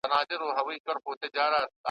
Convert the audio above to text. ډېر ماهر وو په کتار کي د سیالانو ,